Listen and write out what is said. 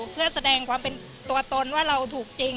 เพื่อแสดงความเป็นตัวตนว่าเราถูกจริง